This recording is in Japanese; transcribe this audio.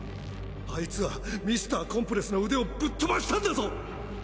あいつはＭｒ．コンプレスの腕をぶっとばしたんだぞ！